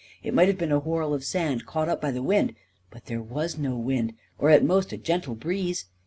It might have been a whorl of sand caught up by the wind — but there was no wind, or at most a gentle breeze.